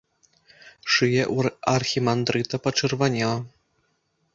Шыя ў архімандрыта пачырванела.